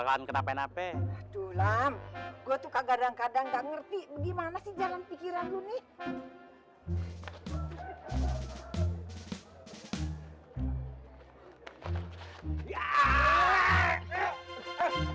orang berantem mau dipisahkan